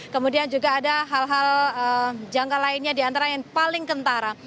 kemudian juga ada hal hal jangka lainnya diantara yang paling kentara